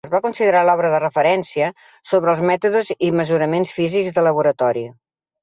Es va considerar l'obra de referència sobre els mètodes i mesuraments físics de laboratori.